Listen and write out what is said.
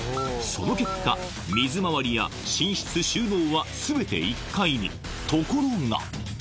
その結果水回りや寝室収納は全て１階にところが！